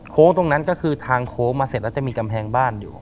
ตรงนั้นก็คือทางโค้งมาเสร็จแล้วจะมีกำแพงบ้านอยู่